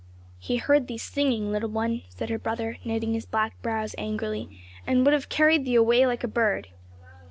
"He heard thee singing, little one," said her brother, knitting his black brows angrily, "and would have carried thee away like a bird."